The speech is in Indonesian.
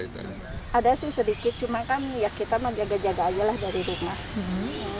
ada sih sedikit cuma kan ya kita menjaga jaga aja lah dari rumah